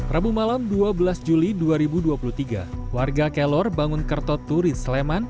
rabu malam dua belas juli dua ribu dua puluh tiga warga kelor bangun kertot turis sleman